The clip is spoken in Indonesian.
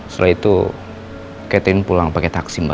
setelah itu catherine pulang pake taksi mba